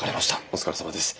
お疲れさまです。